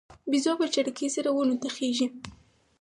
بیزو په چټکۍ سره ونو ته خیژي.